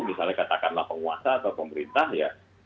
misalnya katakanlah penguasa atau pemerintah ya